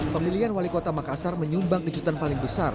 pemilihan wali kota makassar menyumbang kejutan paling besar